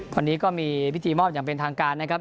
วันนี้ก็มีพิธีมอบอย่างเป็นทางการนะครับ